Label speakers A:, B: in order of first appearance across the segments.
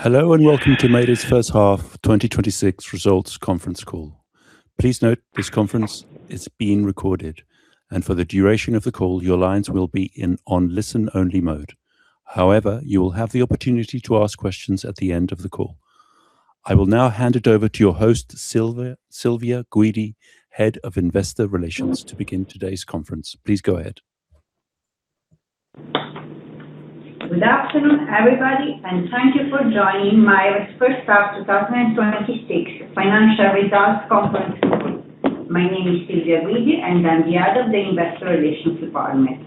A: Hello, and welcome to Maire's first half 2026 results conference call. Please note, this conference is being recorded, and for the duration of the call, your lines will be in listen-only mode. However, you will have the opportunity to ask questions at the end of the call. I will now hand it over to your host, Silvia Guidi, Head of Investor Relations, to begin today's conference. Please go ahead.
B: Good afternoon, everybody, and thank you for joining Maire's first half 2026 financial results conference call. My name is Silvia Guidi and I'm the Head of the Investor Relations department.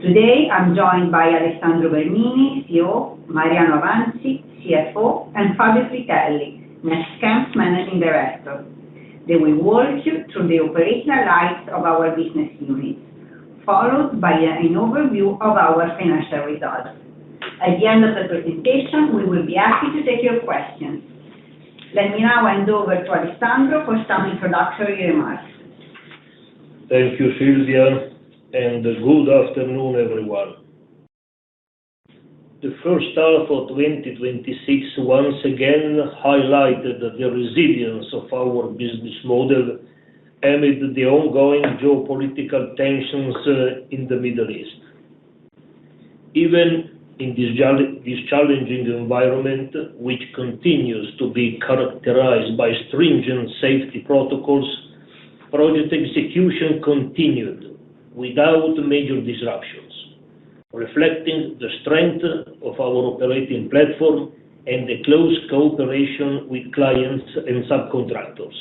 B: Today, I'm joined by Alessandro Bernini, CEO, Mariano Avanzi, CFO, and Fabio Fritelli, NextChem's Managing Director. They will walk you through the operational highlights of our business units, followed by an overview of our financial results. At the end of the presentation, we will be happy to take your questions. Let me now hand over to Alessandro for some introductory remarks.
C: Thank you, Silvia, and good afternoon, everyone. The first half of 2026 once again highlighted the resilience of our business model amid the ongoing geopolitical tensions in the Middle East. Even in this challenging environment, which continues to be characterized by stringent safety protocols, project execution continued without major disruptions, reflecting the strength of our operating platform and the close cooperation with clients and subcontractors.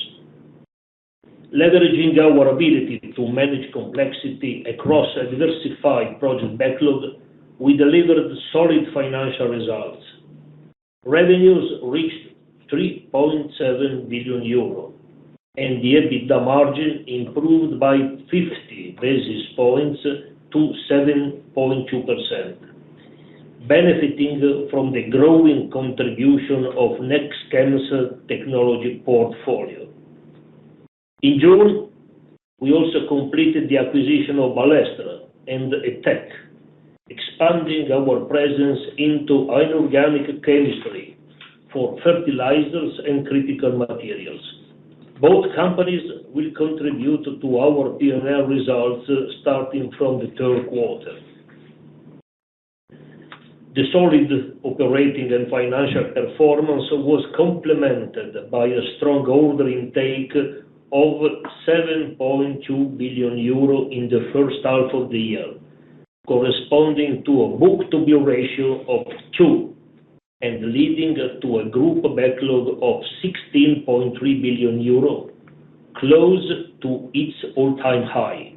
C: Leveraging our ability to manage complexity across a diversified project backlog, we delivered solid financial results. Revenues reached 3.7 billion euro and the EBITDA margin improved by 50 basis points to 7.2%, benefiting from the growing contribution of NextChem's technology portfolio. In June, we also completed the acquisition of Ballestra and ETEK, expanding our presence into inorganic chemistry for fertilizers and critical materials. Both companies will contribute to our P&L results starting from the third quarter. The solid operating and financial performance was complemented by a strong order intake of 7.2 billion euro in the first half of the year, corresponding to a book-to-bill ratio of 2x and leading to a group backlog of 16.3 billion euro, close to its all-time high.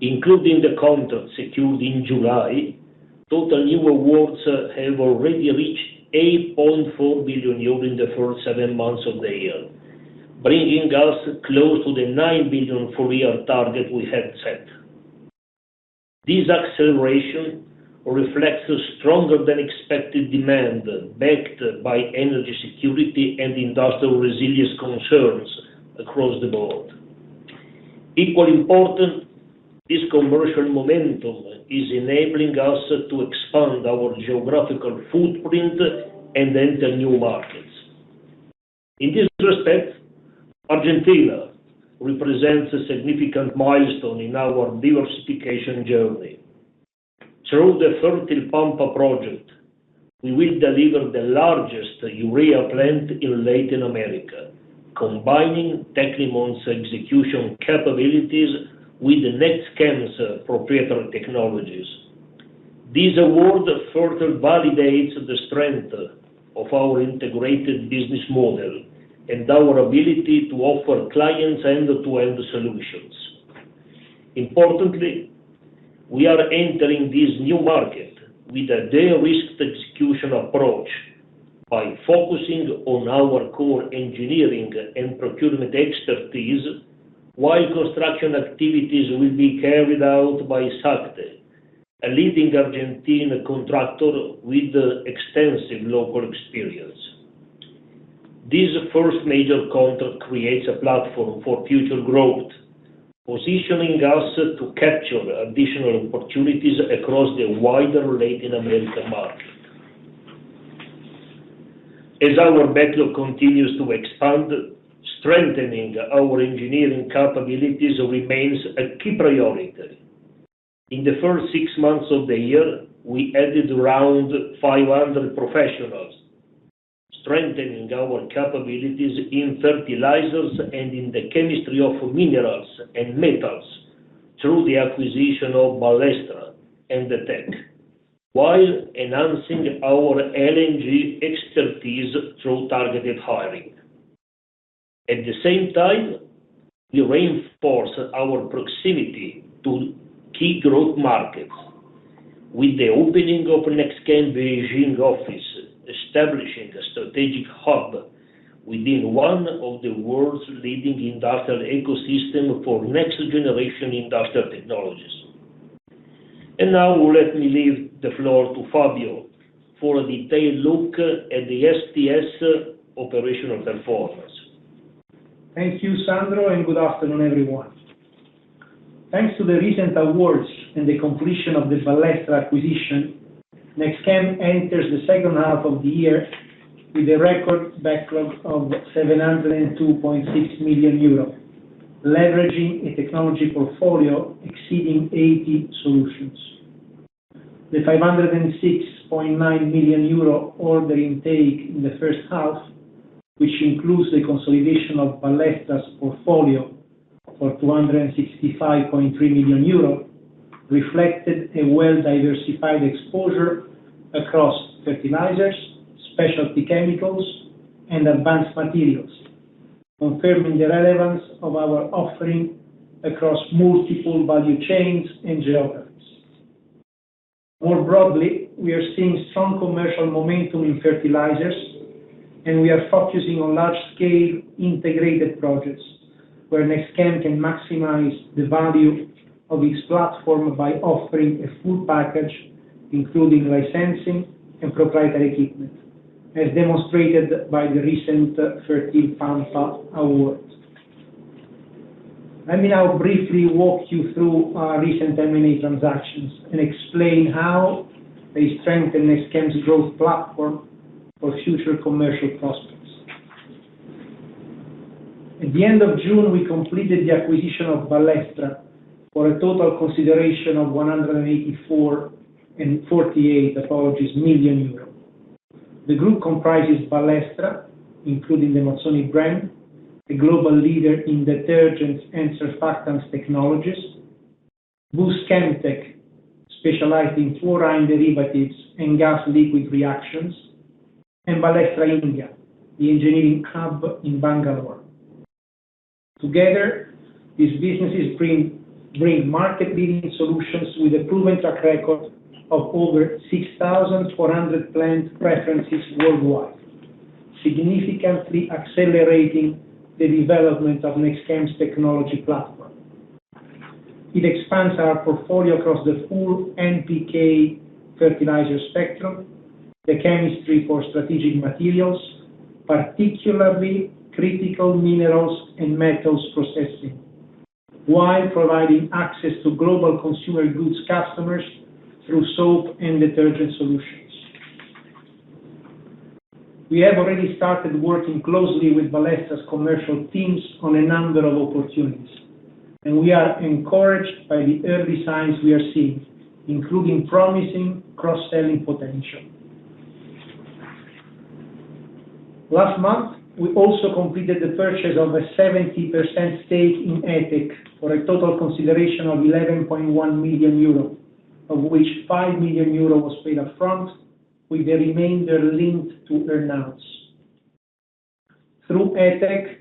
C: Including the contract secured in July, total new awards have already reached 8.4 billion euros in the first seven months of the year, bringing us close to the 9 billion full-year target we had set. This acceleration reflects a stronger than expected demand backed by energy security and industrial resilience concerns across the board. Equally important, this commercial momentum is enabling us to expand our geographical footprint and enter new markets. In this respect, Argentina represents a significant milestone in our diversification journey. Through the Fértil Pampa project, we will deliver the largest urea plant in Latin America, combining Tecnimont's execution capabilities with NextChem's proprietary technologies. This award further validates the strength of our integrated business model and our ability to offer clients end-to-end solutions. Importantly, we are entering this new market with a de-risked execution approach by focusing on our core engineering and procurement expertise, while construction activities will be carried out by SACDE, a leading Argentine contractor with extensive local experience. This first major contract creates a platform for future growth, positioning us to capture additional opportunities across the wider Latin American market. As our backlog continues to expand, strengthening our engineering capabilities remains a key priority. In the first six months of the year, we added around 500 professionals, strengthening our capabilities in fertilizers and in the chemistry of minerals and metals through the acquisition of Ballestra and ETEK, while enhancing our LNG expertise through targeted hiring. At the same time, we reinforced our proximity to key growth markets with the opening of NextChem Beijing office, establishing a strategic hub within one of the world's leading industrial ecosystem for next generation industrial technologies. Now let me leave the floor to Fabio for a detailed look at the STS operational performance.
D: Thank you, Sandro, and good afternoon, everyone. Thanks to the recent awards and the completion of the Ballestra acquisition, NextChem enters the second half of the year with a record backlog of 702.6 million euros, leveraging a technology portfolio exceeding 80 solutions. The 506.9 million euro order intake in the first half, which includes the consolidation of Ballestra's portfolio for 265.3 million euros, reflected a well-diversified exposure across fertilizers, specialty chemicals, and advanced materials, confirming the relevance of our offering across multiple value chains and geographies. More broadly, we are seeing strong commercial momentum in fertilizers, and we are focusing on large-scale integrated projects where NextChem can maximize the value of its platform by offering a full package, including licensing and proprietary equipment, as demonstrated by the recent Fértil Pampa award. Let me now briefly walk you through our recent M&A transactions and explain how they strengthen NextChem's growth platform for future commercial prospects. At the end of June, we completed the acquisition of Ballestra for a total consideration of 184.48 million euros. The group comprises Ballestra, including the Mazzoni brand, a global leader in detergents and surfactants technologies, BUSS ChemTech, specialized in fluorine derivatives and gas liquid reactions, and Ballestra India, the engineering hub in Bangalore. Together, these businesses bring market-leading solutions with a proven track record of over 6,400 plant references worldwide, significantly accelerating the development of NextChem's technology platform. It expands our portfolio across the full NPK fertilizer spectrum, the chemistry for strategic materials, particularly critical minerals and metals processing, while providing access to global consumer goods customers through soap and detergent solutions. We have already started working closely with Ballestra's commercial teams on a number of opportunities, and we are encouraged by the early signs we are seeing, including promising cross-selling potential. Last month, we also completed the purchase of a 70% stake in ETEK for a total consideration of 11.1 million euro, of which 5 million euro was paid up front, with the remainder linked to earn-outs. Through ETEK,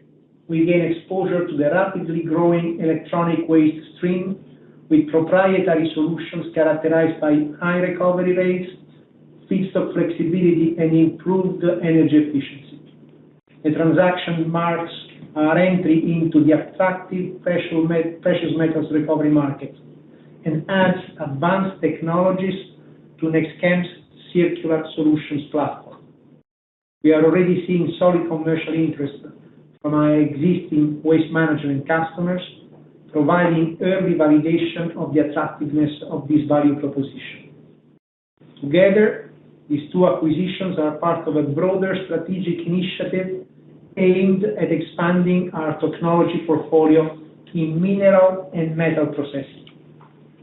D: we gain exposure to the rapidly growing electronic waste stream, with proprietary solutions characterized by high recovery rates, fixed flexibility, and improved energy efficiency. The transaction marks our entry into the attractive precious metals recovery market and adds advanced technologies to NextChem's circular solutions platform. We are already seeing solid commercial interest from our existing waste management customers, providing early validation of the attractiveness of this value proposition. Together, these two acquisitions are part of a broader strategic initiative aimed at expanding our technology portfolio in mineral and metal processing,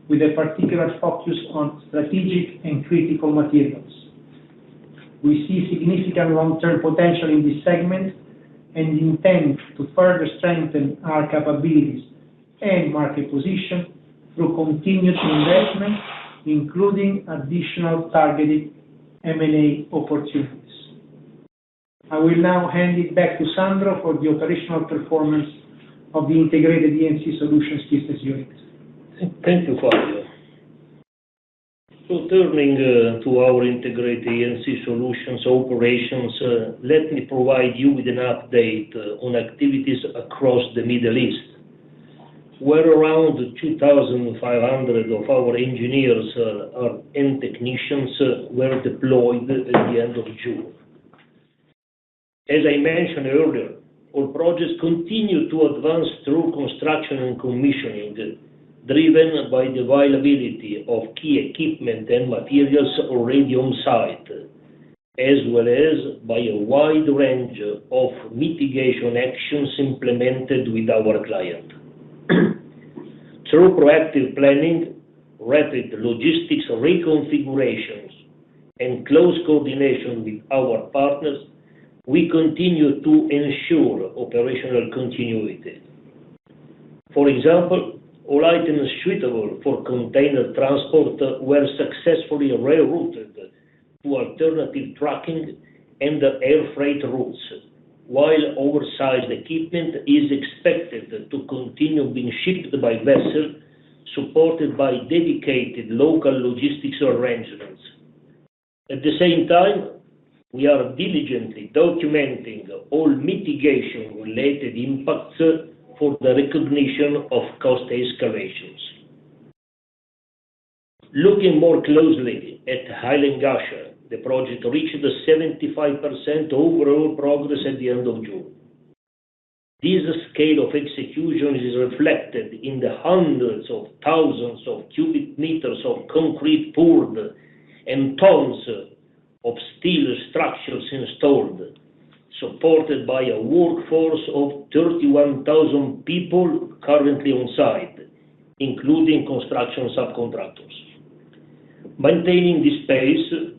D: with a particular focus on strategic and critical materials. We see significant long-term potential in this segment, and intend to further strengthen our capabilities and market position through continued investment, including additional targeted M&A opportunities. I will now hand it back to Sandro for the operational performance of the Integrated E&C Solutions business unit.
C: Thank you, Fabio. Turning to our Integrated E&C Solutions operations, let me provide you with an update on activities across the Middle East, where around 2,500 of our engineers and technicians were deployed at the end of June. As I mentioned earlier, our projects continue to advance through construction and commissioning, driven by the availability of key equipment and materials already on site, as well as by a wide range of mitigation actions implemented with our client. Through proactive planning, rapid logistics reconfigurations, and close coordination with our partners, we continue to ensure operational continuity. For example, all items suitable for container transport were successfully rerouted to alternative trucking and air freight routes. While oversized equipment is expected to continue being shipped by vessel, supported by dedicated local logistics arrangements. At the same time, we are diligently documenting all mitigation-related impacts for the recognition of cost escalations. Looking more closely at Hail and Ghasha, the project reached 75% overall progress at the end of June. This scale of execution is reflected in the hundreds of thousands of cubic meters of concrete poured and tons of steel structures installed, supported by a workforce of 31,000 people currently on site, including construction subcontractors. Maintaining this pace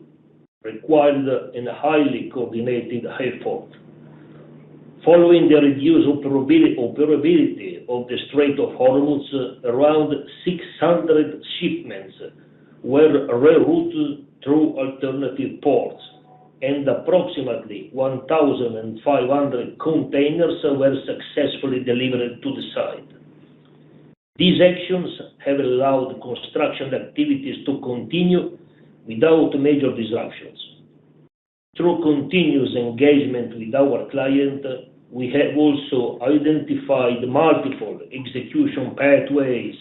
C: required a highly coordinated effort. Following the reduced operability of the Strait of Hormuz, around 600 shipments were rerouted through alternative ports and approximately 1,500 containers were successfully delivered to the site. These actions have allowed construction activities to continue without major disruptions. Through continuous engagement with our client, we have also identified multiple execution pathways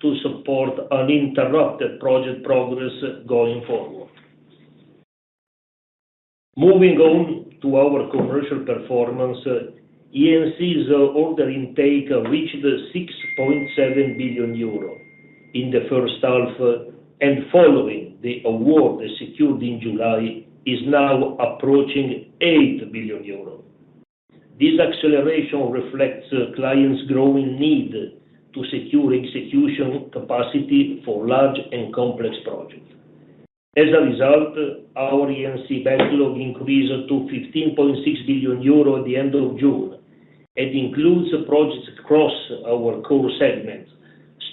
C: to support uninterrupted project progress going forward. Moving on to our commercial performance, E&C's order intake reached 6.7 billion euro in the first half, and following the award secured in July, is now approaching 8 billion euros. This acceleration reflects clients' growing need to secure execution capacity for large and complex projects. As a result, our E&C backlog increased to 15.6 billion euro at the end of June. It includes projects across our core segments,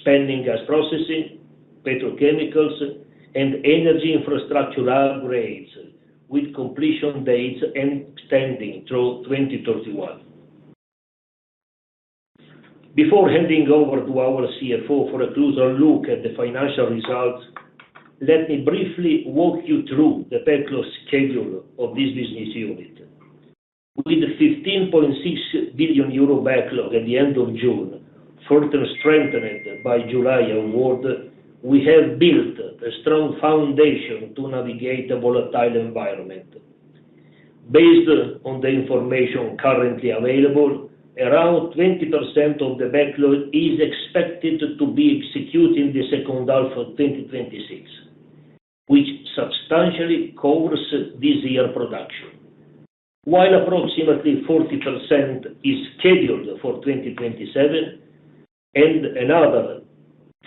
C: spanning gas processing, petrochemicals, and energy infrastructure upgrades, with completion dates extending through 2031. Before handing over to our CFO for a closer look at the financial results, let me briefly walk you through the backlog schedule of this business unit. With a 15.6 billion euro backlog at the end of June, further strengthened by July award, we have built a strong foundation to navigate the volatile environment. Based on the information currently available, around 20% of the backlog is expected to be executed in the second half of 2026, which substantially covers this year production. Approximately 40% is scheduled for 2027 and another 40%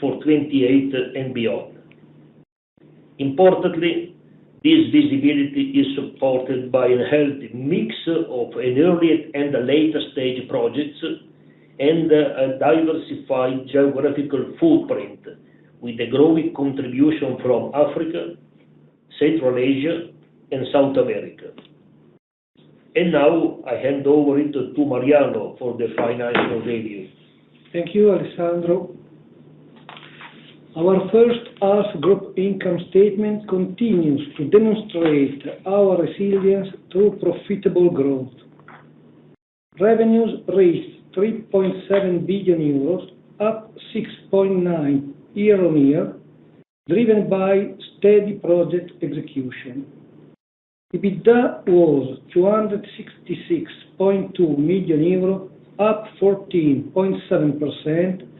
C: for 2028 and beyond. Importantly, this visibility is supported by a healthy mix of an earlier and later stage projects and a diversified geographical footprint with a growing contribution from Africa, Central Asia, and South America. Now, I hand over to Mariano for the financial review.
E: Thank you, Alessandro. Our first half group income statement continues to demonstrate our resilience through profitable growth. Revenues rose EUR 3.7 billion, up 6.9% year-on-year, driven by steady project execution. EBITDA was 266.2 million euro, up 14.7%,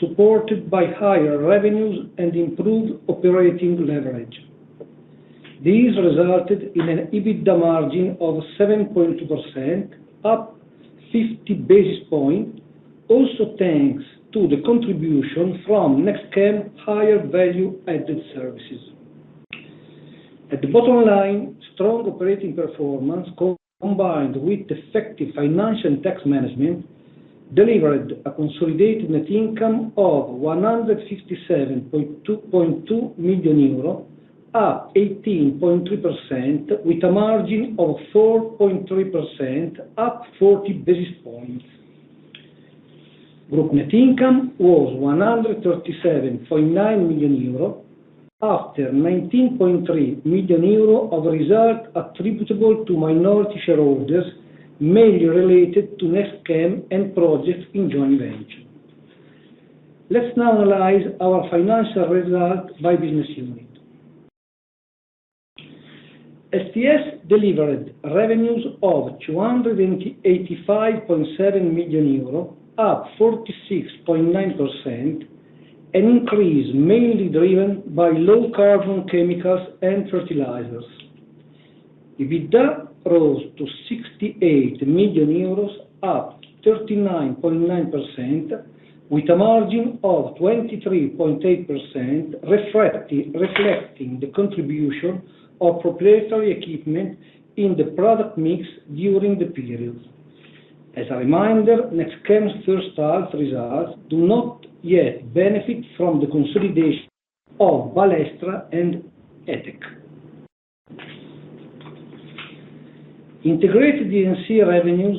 E: supported by higher revenues and improved operating leverage. These resulted in an EBITDA margin of 7.2%, up 50 basis points, also thanks to the contribution from NextChem higher value added services. At the bottom line, strong operating performance combined with effective financial and tax management delivered a consolidated net income of 157.2 million euro, up 18.3%, with a margin of 4.3%, up 40 basis points. Group net income was 137.9 million euro after 19.3 million euro of reserve attributable to minority shareholders, mainly related to NextChem and projects in joint venture. Let's now analyze our financial results by business unit. STS delivered revenues of 285.7 million euro, up 46.9%, an increase mainly driven by low carbon chemicals and fertilizers. EBITDA rose to 68 million euros, up 39.9%, with a margin of 23.8%, reflecting the contribution of proprietary equipment in the product mix during the period. As a reminder, NextChem's first half results do not yet benefit from the consolidation of Ballestra and ETEK. Integrated E&C revenues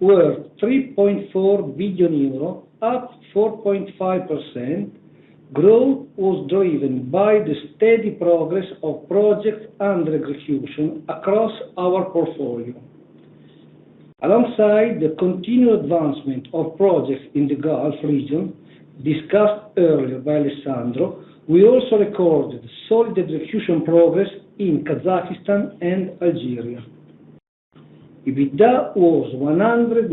E: were 3.4 billion euro, up 4.5%. Growth was driven by the steady progress of projects under execution across our portfolio. Alongside the continued advancement of projects in the Gulf region discussed earlier by Alessandro, we also recorded solid execution progress in Kazakhstan and Algeria. EBITDA was 198.2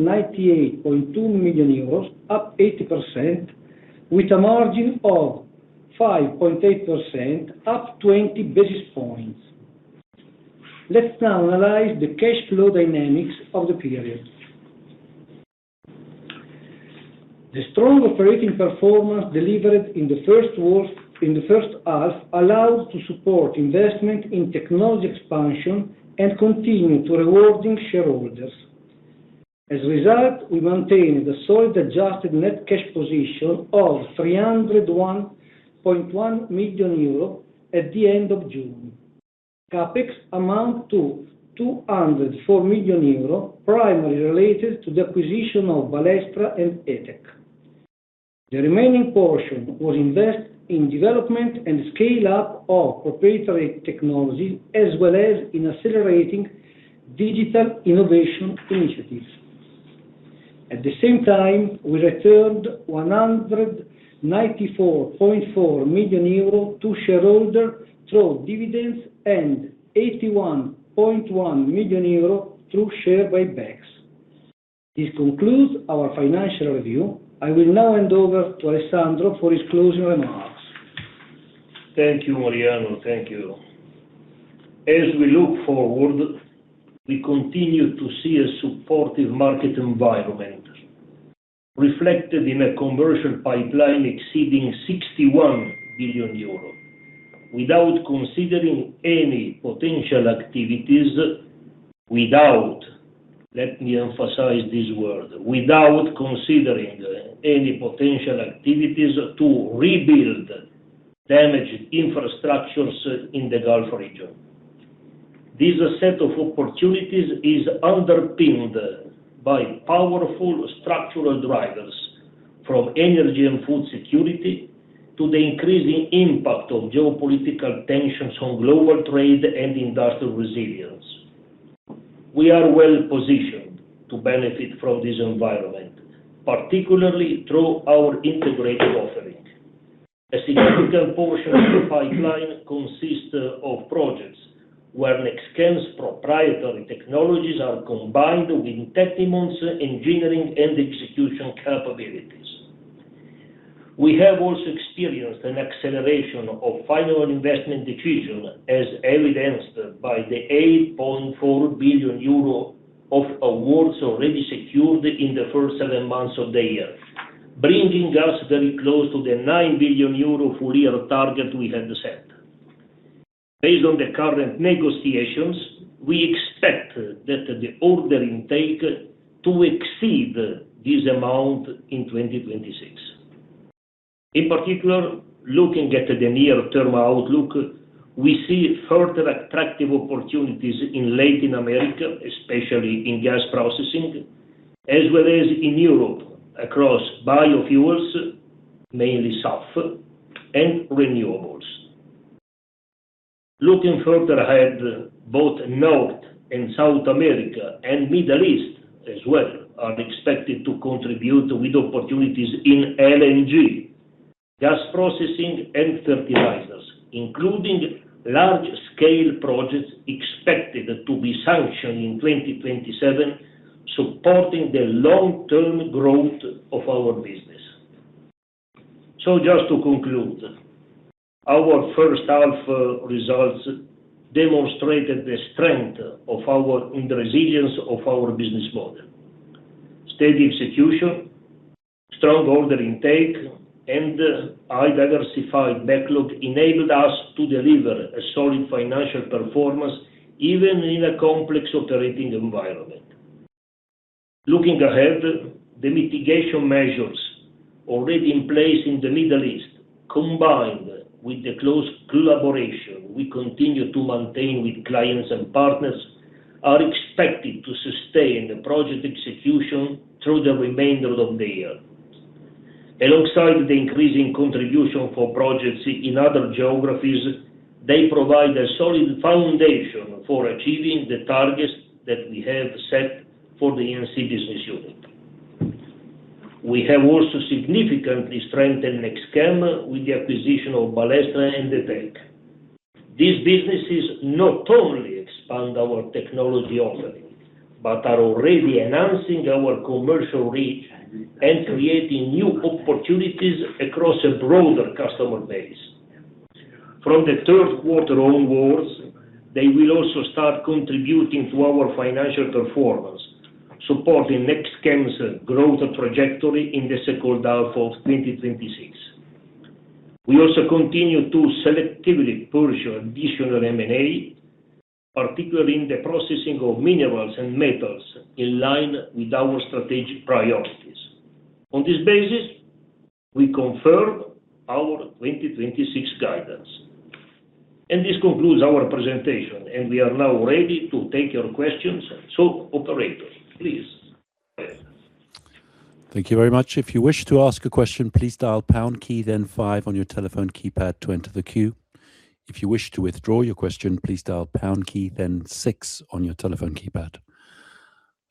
E: million euros, up 8%, with a margin of 5.8%, up 20 basis points. Let's now analyze the cash flow dynamics of the period. The strong operating performance delivered in the first half allowed to support investment in technology expansion and continue to reward shareholders. As a result, we maintained a solid adjusted net cash position of 301.1 million euro at the end of June. CapEx amounted to 204 million euro primarily related to the acquisition of Ballestra and ETEK. The remaining portion was invested in development and scale-up of proprietary technology, as well as in accelerating digital innovation initiatives. At the same time, we returned 194.4 million euro to shareholders through dividends and 81.1 million euro through share buybacks. This concludes our financial review. I will now hand over to Alessandro for his closing remarks.
C: Thank you, Mariano. Thank you. As we look forward, we continue to see a supportive market environment reflected in a commercial pipeline exceeding 61 billion euros. Without considering any potential activities, without, let me emphasize this word, without considering any potential activities to rebuild damaged infrastructures in the Gulf region. This set of opportunities is underpinned by powerful structural drivers, from energy and food security to the increasing impact of geopolitical tensions on global trade and industrial resilience. We are well positioned to benefit from this environment, particularly through our integrated offering. A significant portion of the pipeline consists of projects where NextChem's proprietary technologies are combined with Tecnimont engineering and execution capabilities. We have also experienced an acceleration of final investment decision, as evidenced by the 8.4 billion euro of awards already secured in the first seven months of the year, bringing us very close to the 9 billion euro full year target we had set. Based on the current negotiations, we expect that the order intake to exceed this amount in 2026. In particular, looking at the near-term outlook, we see further attractive opportunities in Latin America, especially in gas processing, as well as in Europe across biofuels, mainly SAF and renewables. Looking further ahead, both North and South America and Middle East as well are expected to contribute with opportunities in LNG, gas processing and fertilizers, including large-scale projects expected to be sanctioned in 2027, supporting the long-term growth of our business. Just to conclude, our first half results demonstrated the strength and the resilience of our business model. Steady execution, strong order intake, and a diversified backlog enabled us to deliver a solid financial performance, even in a complex operating environment. Looking ahead, the mitigation measures already in place in the Middle East, combined with the close collaboration we continue to maintain with clients and partners, are expected to sustain the project execution through the remainder of the year. Alongside the increasing contribution for projects in other geographies, they provide a solid foundation for achieving the targets that we have set for the E&C business unit. We have also significantly strengthened NextChem with the acquisition of Ballestra and ETEK. These businesses not only expand our technology offering, but are already enhancing our commercial reach and creating new opportunities across a broader customer base. From the third quarter onwards, they will also start contributing to our financial performance, supporting NextChem's growth trajectory in the second half of 2026. We also continue to selectively pursue additional M&A, particularly in the processing of minerals and metals, in line with our strategic priorities. On this basis, we confirm our 2026 guidance. This concludes our presentation, and we are now ready to take your questions. Operator, please go ahead.
A: Thank you very much. If you wish to ask a question, please dial pound key, then five on your telephone keypad to enter the queue. If you wish to withdraw your question, please dial pound key, then six on your telephone keypad.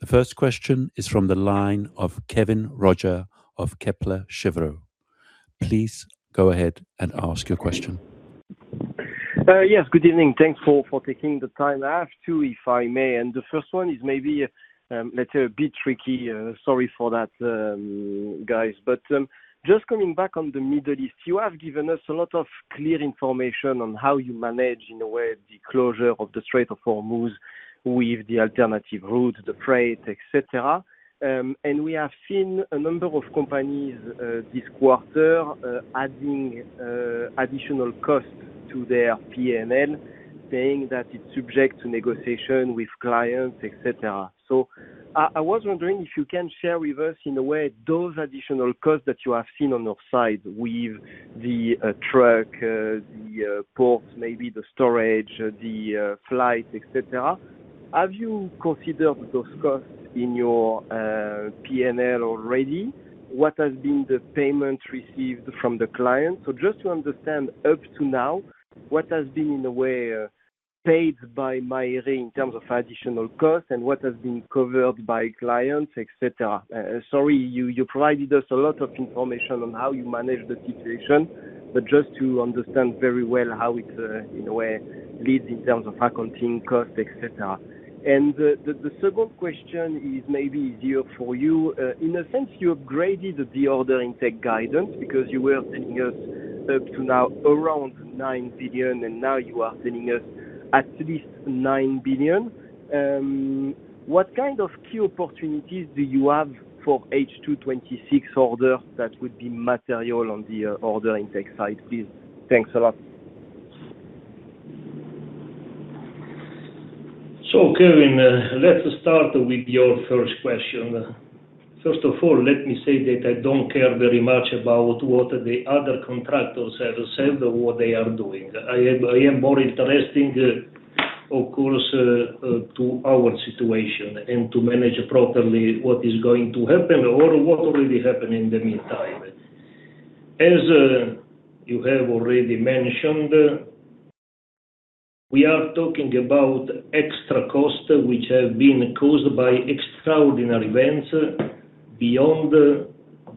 A: The first question is from the line of Kevin Roger of Kepler Cheuvreux. Please go ahead and ask your question.
F: Yes. Good evening. Thanks for taking the time. I have two, if I may. The first one is maybe, let's say, a bit tricky. Sorry for that, guys. Just coming back on the Middle East, you have given us a lot of clear information on how you manage, in a way, the closure of the Strait of Hormuz with the alternative route, the freight, et cetera. We have seen a number of companies this quarter adding additional costs to their P&L, saying that it's subject to negotiation with clients, et cetera. I was wondering if you can share with us, in a way, those additional costs that you have seen on your side with the truck, the ports, maybe the storage, the flight, et cetera. Have you considered those costs in your P&L already? What has been the payment received from the client? Just to understand up to now, what has been, in a way, paid by Maire in terms of additional cost and what has been covered by clients, et cetera? Sorry, you provided us a lot of information on how you manage the situation, but just to understand very well how it, in a way, leads in terms of accounting cost, et cetera. The second question is maybe easier for you. In a sense, you upgraded the order intake guidance because you were telling us up to now around 9 billion, and now you are telling us at least 9 billion. What kind of key opportunities do you have for H2 2026 order that would be material on the order intake side, please? Thanks a lot.
C: Kevin, let's start with your first question. First of all, let me say that I don't care very much about what the other contractors have said or what they are doing. I am more interested, of course, to our situation and to manage properly what is going to happen or what already happened in the meantime. As you have already mentioned, we are talking about extra costs which have been caused by extraordinary events beyond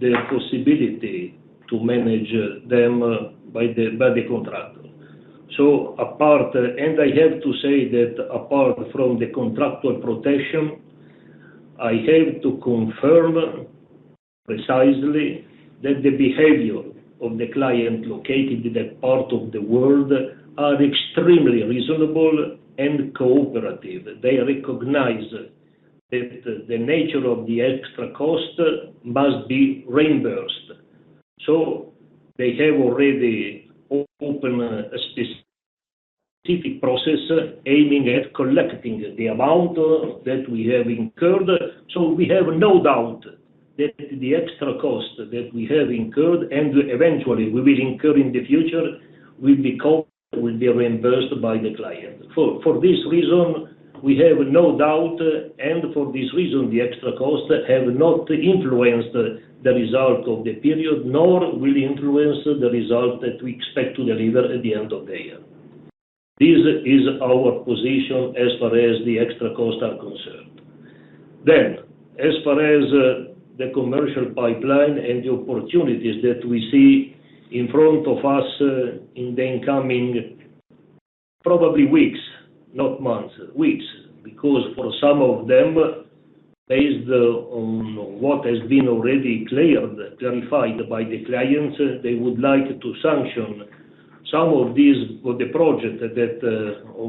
C: the possibility to manage them by the contractor. I have to say that apart from the contractor protection, I have to confirm precisely that the behavior of the client located in that part of the world are extremely reasonable and cooperative. They recognize that the nature of the extra cost must be reimbursed. They have already opened a specific process aiming at collecting the amount that we have incurred. We have no doubt that the extra cost that we have incurred and eventually will be incurred in the future, will be reimbursed by the client. For this reason, we have no doubt. For this reason, the extra costs have not influenced the result of the period, nor will influence the result that we expect to deliver at the end of the year. This is our position as far as the extra costs are concerned. As far as the commercial pipeline and the opportunities that we see in front of us in the incoming, probably weeks, not months. Weeks, because for some of them, based on what has been already cleared, clarified by the clients, they would like to sanction some of the project that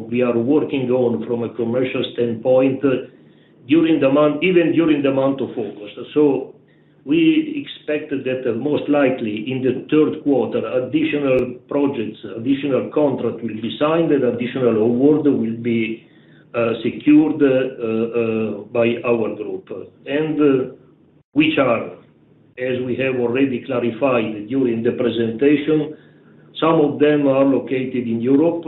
C: we are working on from a commercial standpoint, even during the month of August. We expect that most likely in the third quarter, additional projects, additional contract will be signed and additional award will be secured by our group. Which are, as we have already clarified during the presentation, some of them are located in Europe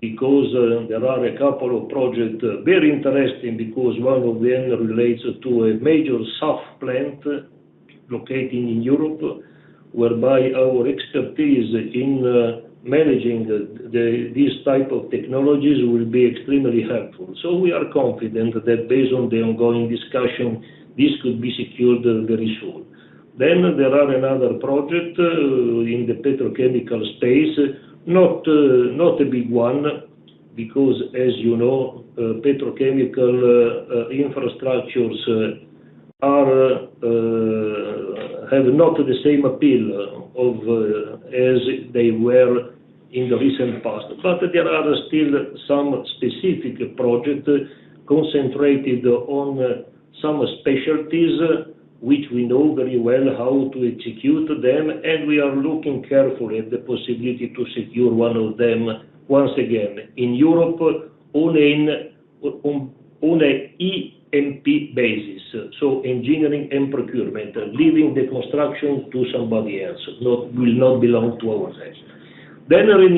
C: because there are a couple of projects, very interesting because one of them relates to a major SAF plant located in Europe, whereby our expertise in managing these type of technologies will be extremely helpful. We are confident that based on the ongoing discussion, this could be secured very soon. There are another project in the petrochemical space, not a big one because as you know, petrochemical infrastructures have not the same appeal as they were in the recent past. There are still some specific project concentrated on some specialties, which we know very well how to execute them, and we are looking carefully at the possibility to secure one of them, once again, in Europe on a E&P basis. Engineering and procurement, leaving the construction to somebody else, will not belong to our side. Very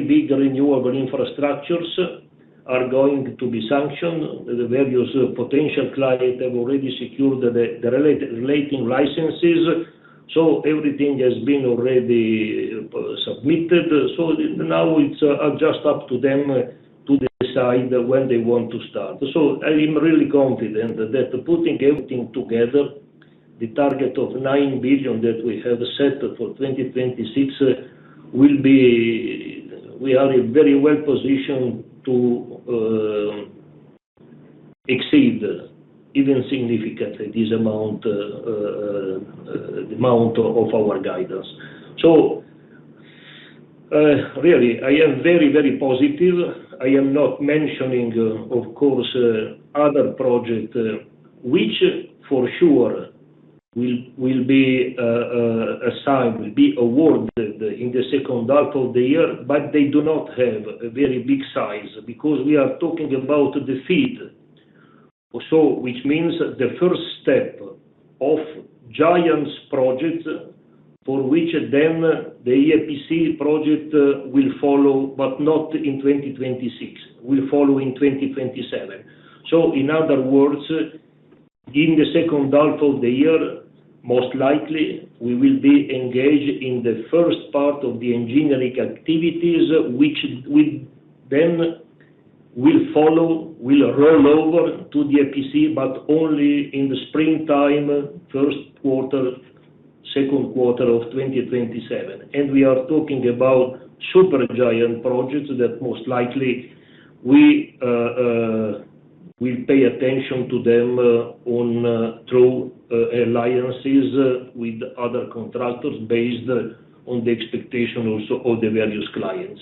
C: big renewable infrastructures are going to be sanctioned. The various potential clients have already secured the relating licenses. Everything has been already submitted. Now it's just up to them to decide when they want to start. I am really confident that putting everything together, the target of 9 billion that we have set for 2026, we are very well positioned to exceed, even significantly, this amount of our guidance. Really, I am very positive. I am not mentioning, of course, other project, which for sure will be assigned, will be awarded in the second half of the year, but they do not have a very big size because we are talking about the FEED. which means the first step of giants projects, for which then the EPC project will follow, but not in 2026, will follow in 2027. In other words, in the second half of the year, most likely we will be engaged in the first part of the engineering activities, which we then will follow, will roll over to the EPC, but only in the springtime, first quarter, second quarter of 2027. We are talking about super giant projects that most likely we pay attention to them through alliances with other contractors based on the expectation also of the various clients.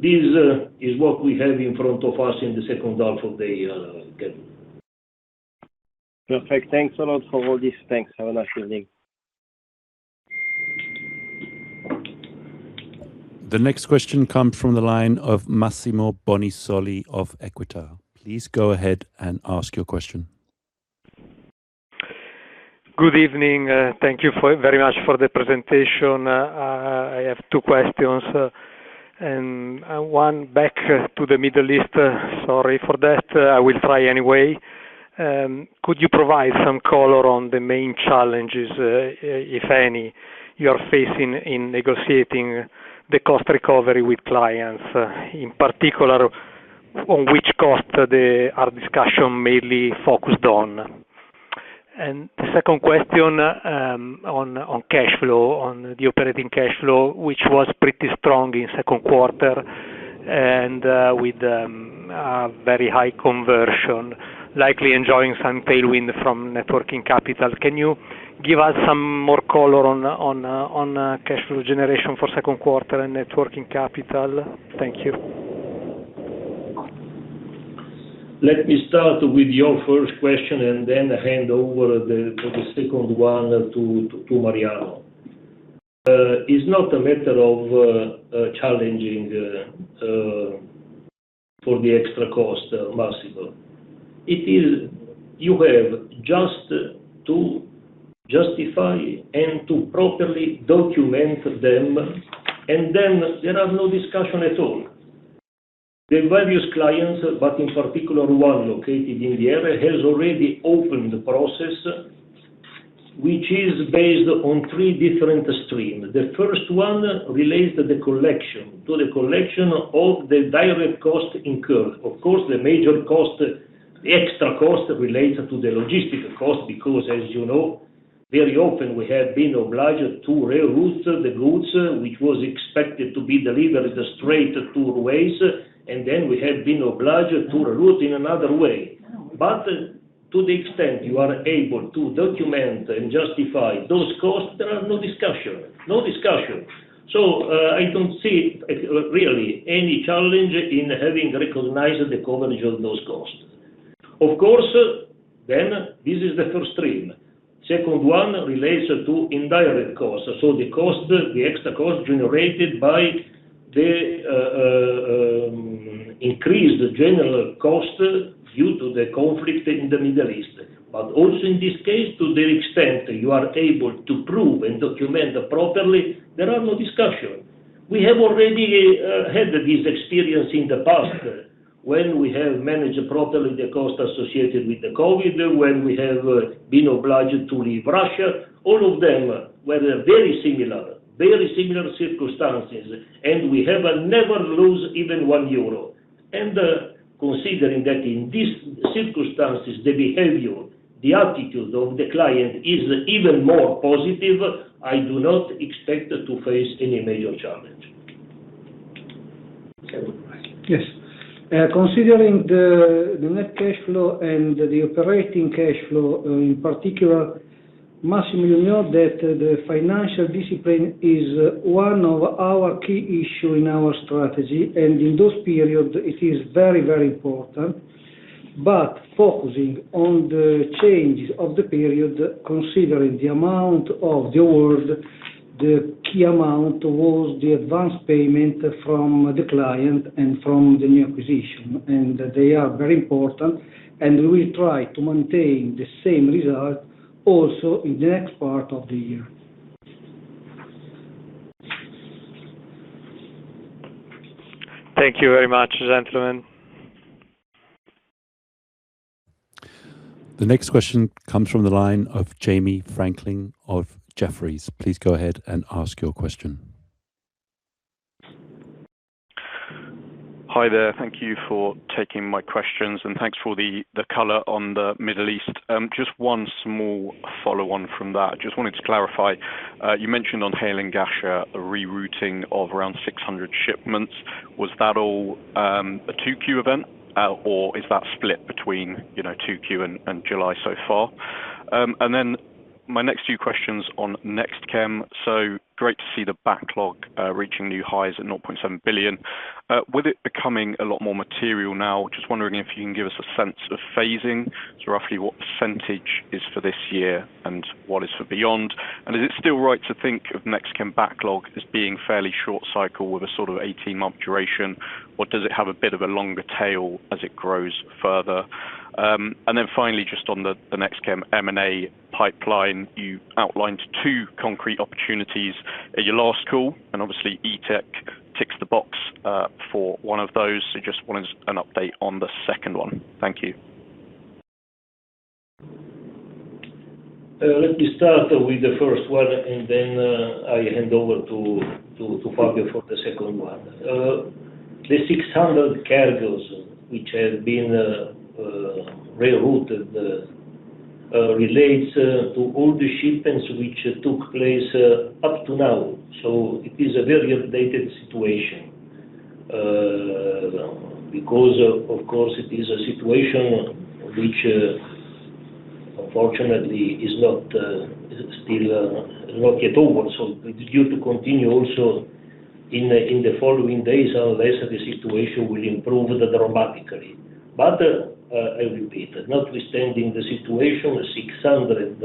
C: This is what we have in front of us in the second half of the year.
F: Perfect. Thanks a lot for all this. Thanks. Have a nice evening.
A: The next question comes from the line of Massimo Bonisoli of EQUITA. Please go ahead and ask your question.
G: Good evening. Thank you very much for the presentation. I have two questions. One back to the Middle East. Sorry for that. I will try anyway. Could you provide some color on the main challenges, if any, you are facing in negotiating the cost recovery with clients? In particular, on which cost are discussion mainly focused on? The second question, on cash flow, on the operating cash flow, which was pretty strong in second quarter and with very high conversion, likely enjoying some tailwind from net working capital. Can you give us some more color on cash flow generation for second quarter and net working capital? Thank you.
C: Let me start with your first question and then hand over for the second one to Mariano. It is not a matter of challenging for the extra cost, Massimo. It is, you have just to justify and to properly document them, and then there are no discussion at all. The various clients, but in particular one located in the area, has already opened the process, which is based on three different streams. The first one relates to the collection of the direct cost incurred. Of course, the major cost, the extra cost related to the logistic cost, because as you know, very often we have been obliged to reroute the goods, which was expected to be delivered straight two ways, and then we have been obliged to reroute in another way. To the extent you are able to document and justify those costs, there are no discussion. I do not see really any challenge in having recognized the coverage of those costs. Of course, this is the first stream. Second one relates to indirect costs. The extra cost generated by the increased general cost due to the conflict in the Middle East. Also in this case, to the extent you are able to prove and document properly, there are no discussion. We have already had this experience in the past, when we have managed properly the cost associated with the COVID, when we have been obliged to leave Russia. All of them were very similar circumstances, and we have never lose even 1 euro. Considering that in these circumstances, the behavior, the attitude of the client is even more positive, I do not expect to face any major challenge. Mariano?
E: Yes. Considering the net cash flow and the operating cash flow in particular, Massimo, you know that the financial discipline is one of our key issue in our strategy, and in this period it is very important. Focusing on the changes of the period, considering the amount of the award, the key amount was the advance payment from the client and from the new acquisition, and they are very important, and we try to maintain the same result also in the next part of the year.
G: Thank you very much, gentlemen.
A: The next question comes from the line of Jamie Franklin of Jefferies. Please go ahead and ask your question.
H: Hi there. Thank you for taking my questions, and thanks for the color on the Middle East. Just one small follow-on from that. Just wanted to clarify, you mentioned on Hail and Ghasha a rerouting of around 600 shipments. Was that all a 2Q event, or is that split between 2Q and July so far? My next few questions on NextChem. Great to see the backlog reaching new highs at 0.7 billion. With it becoming a lot more material now, just wondering if you can give us a sense of phasing, so roughly what percentage is for this year and what is for beyond? Is it still right to think of NextChem backlog as being fairly short cycle with a sort of 18-month duration, or does it have a bit of a longer tail as it grows further? Finally, just on the NextChem M&A pipeline, you outlined two concrete opportunities at your last call, and obviously ETEK ticks the box for one of those. Just wanted an update on the second one. Thank you.
C: Let me start with the first one, and then I hand over to Fabio for the second one. The 600 cargos which have been rerouted relates to all the shipments which took place up to now. It is a very updated situation. Of course, it is a situation which, unfortunately, is still not yet over, so it's due to continue also in the following days, unless the situation will improve dramatically. I repeat, notwithstanding the situation, 600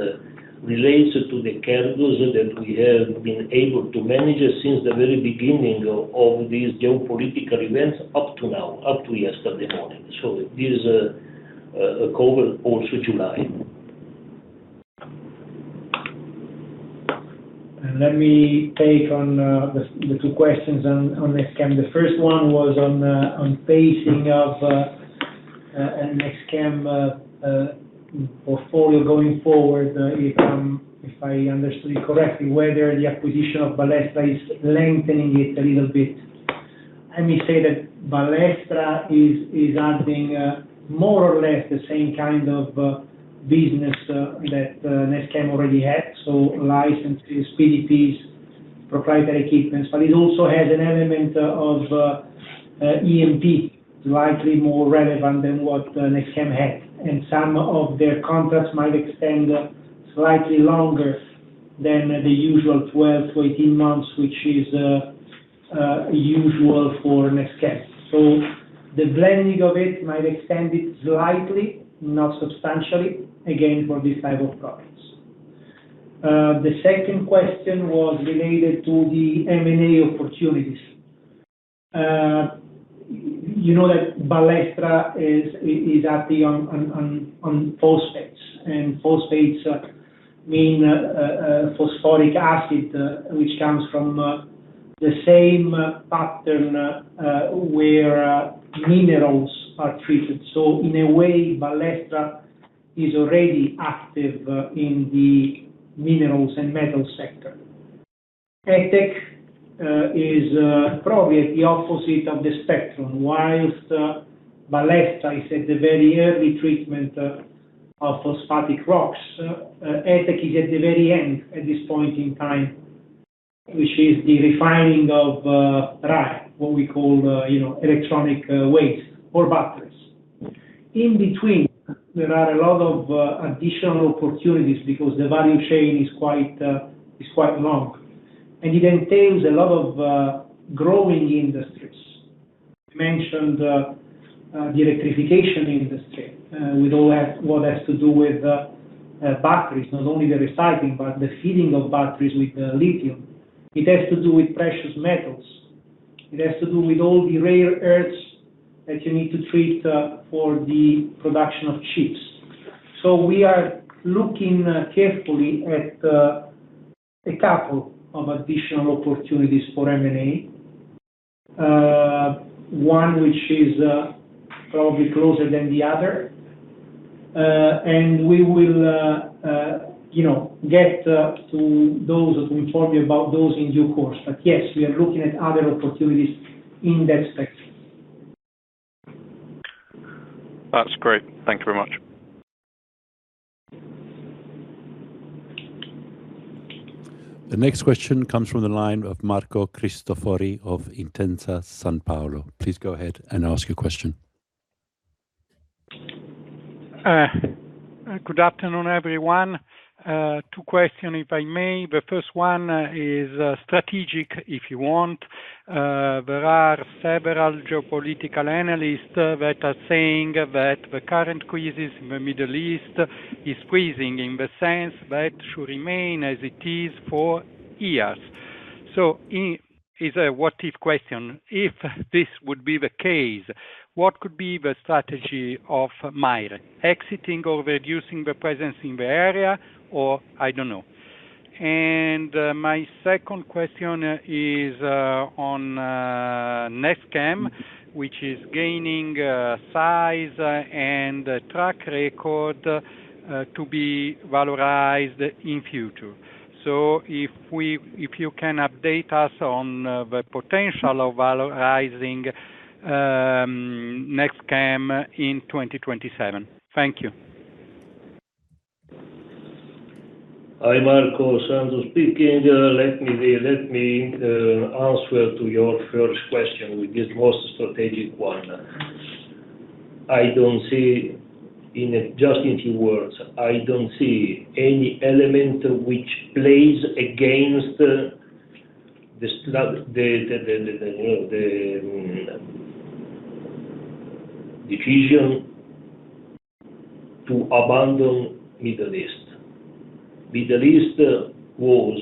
C: relates to the cargos that we have been able to manage since the very beginning of these geopolitical events up to now, up to yesterday morning. This covers also July.
D: Let me take on the two questions on NextChem. The first one was on phasing of NextChem portfolio going forward, if I understood correctly, whether the acquisition of Ballestra is lengthening it a little bit. Let me say that Ballestra is adding more or less the same kind of business that NextChem already had. Licenses, PDPs, proprietary equipments, but it also has an element of E&P, slightly more relevant than what NextChem had. Some of their contracts might extend slightly longer than the usual 12-18 months, which is usual for NextChem. The blending of it might extend it slightly, not substantially, again, for this type of products. The second question was related to the M&A opportunities. You know that Ballestra is acting on phosphates, and phosphates mean phosphoric acid, which comes from the same pattern where minerals are treated. In a way, Ballestra is already active in the minerals and metal sector. ETEK is probably at the opposite of the spectrum. Whilst Ballestra is at the very early treatment of phosphatic rocks, ETEK is at the very end at this point in time, which is the refining of RAEE, what we call electronic waste or batteries. In between, there are a lot of additional opportunities because the value chain is quite long, and it entails a lot of growing industries. Mentioned the electrification industry, with all that what has to do with batteries, not only the recycling, but the feeding of batteries with lithium. It has to do with precious metals. It has to do with all the rare earths that you need to treat for the production of chips. We are looking carefully at a couple of additional opportunities for M&A. One which is probably closer than the other. We will get to those, to inform you about those in due course. Yes, we are looking at other opportunities in that spectrum.
H: That's great. Thank you very much.
A: The next question comes from the line of Marco Cristofori of Intesa Sanpaolo. Please go ahead and ask your question.
I: Good afternoon, everyone. Two question, if I may. The first one is strategic, if you want. There are several geopolitical analysts that are saying that the current crisis in the Middle East is freezing in the sense that should remain as it is for years. It is a what if question. If this would be the case, what could be the strategy of Maire? Exiting or reducing the presence in the area, or I don't know. My second question is on NextChem, which is gaining size and track record to be valorized in future. If you can update us on the potential of valorizing NextChem in 2027. Thank you.
C: Hi, Marco. Sandro speaking. Let me answer to your first question, which is the most strategic one. Just in few words, I don't see any element which plays against the decision to abandon Middle East. Middle East was,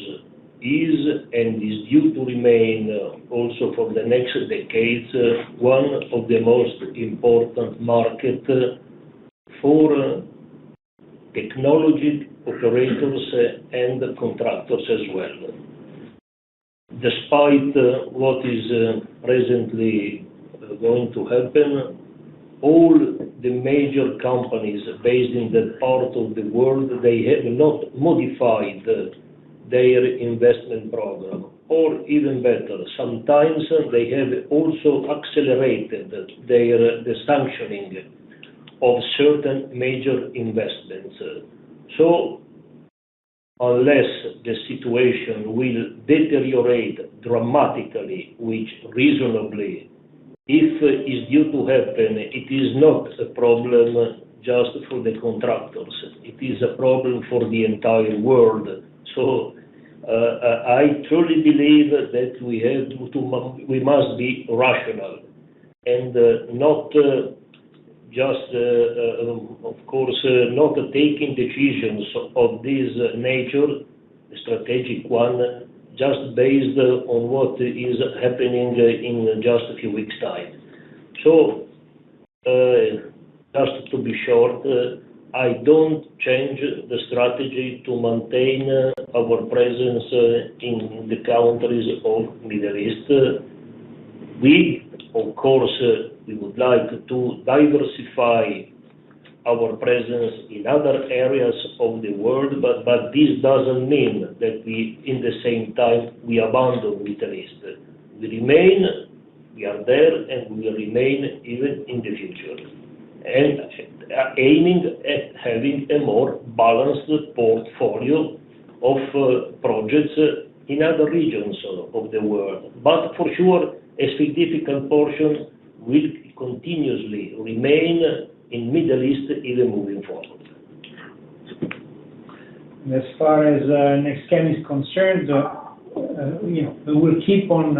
C: is, and is due to remain, also for the next decades, one of the most important market for technology operators and contractors as well. Despite what is presently going to happen, all the major companies based in that part of the world, they have not modified their investment program, or even better, sometimes they have also accelerated the sanctioning of certain major investments. Unless the situation will deteriorate dramatically, which reasonably, if it's due to happen, it is not a problem just for the contractors. It is a problem for the entire world. I truly believe that we must be rational and, of course, not taking decisions of this nature, strategic one, just based on what is happening in just a few weeks' time. Just to be short, I don't change the strategy to maintain our presence in the countries of Middle East. We, of course, would like to diversify our presence in other areas of the world, but this doesn't mean that we, in the same time, abandon Middle East. We remain, we are there, and we will remain even in the future, and aiming at having a more balanced portfolio of projects in other regions of the world. For sure, a significant portion will continuously remain in Middle East even moving forward.
D: As far as NextChem is concerned, we will keep on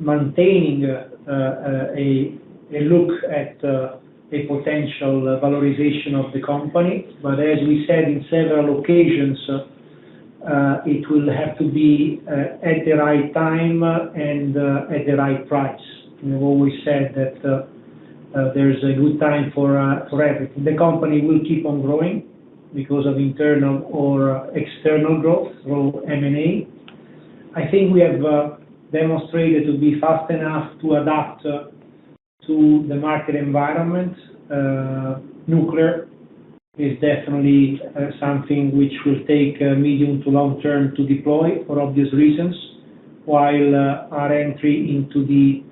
D: maintaining a look at a potential valorization of the company, but as we said in several occasions, it will have to be at the right time and at the right price. We've always said that there is a good time for everything. The company will keep on growing because of internal or external growth through M&A. I think we have demonstrated to be fast enough to adapt to the market environment. Nuclear is definitely something which will take medium to long term to deploy for obvious reasons, while our entry into the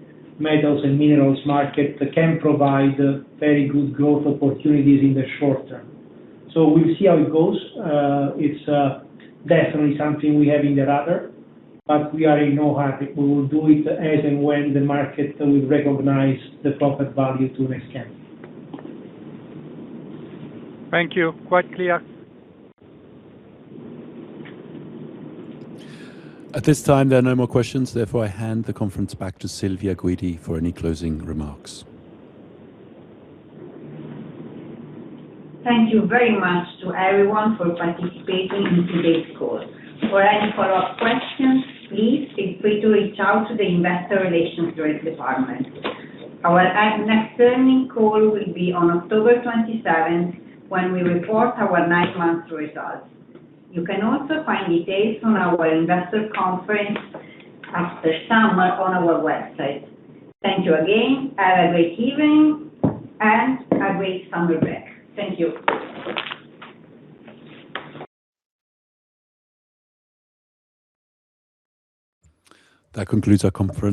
D: metals and minerals market can provide very good growth opportunities in the short term. We'll see how it goes. It's definitely something we have in the radar, but we are in no hurry. We will do it as and when the market will recognize the proper value to NextChem.
I: Thank you. Quite clear.
A: At this time, there are no more questions, therefore, I hand the conference back to Silvia Guidi for any closing remarks.
B: Thank you very much to everyone for participating in today's call. For any follow-up questions, please feel free to reach out to the Investor Relations department. Our next earning call will be on October 27th, when we report our nine-month results. You can also find details on our investor conference after summer on our website. Thank you again. Have a great evening and a great summer break. Thank you.
A: That concludes our conference-